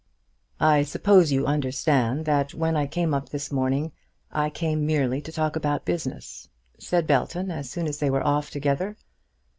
"I suppose you understand that when I came up this morning I came merely to talk about business," said Belton, as soon as they were off together.